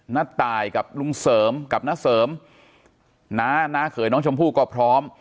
ณตายกับลูกเสริมกับณเสริมณเคยน้องชมพู่ก็พร้อม